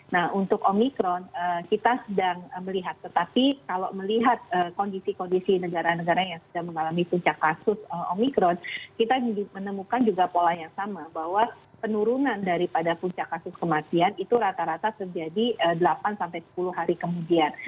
nah untuk omikron kita sedang melihat tetapi kalau melihat kondisi kondisi negara negara yang sudah mengalami puncak kasus omikron kita menemukan juga pola yang sama bahwa penurunan daripada puncak kasus kematian itu rata rata terjadi delapan sampai sepuluh hari kemudian